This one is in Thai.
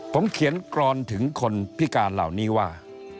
ผมเขียนกรอนถึงคนพิการเหล่านี้ว่า